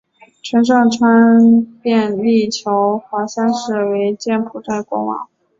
陈上川便立乔华三世为柬埔寨国王。